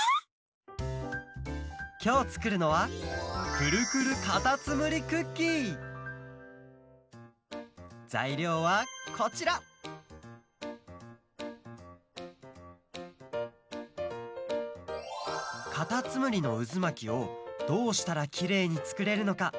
きょうつくるのはざいりょうはこちらカタツムリのうずまきをどうしたらきれいにつくれるのか？